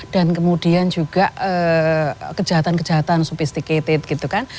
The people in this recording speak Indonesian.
dan kemudian juga kejahatan kejahatan sophisticated gitu kan